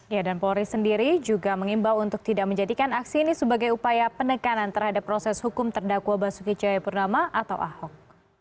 ya dan polri sendiri juga mengimbau untuk tidak menjadikan aksi ini sebagai upaya penekanan terhadap proses hukum terdakwa basuki cahayapurnama atau ahok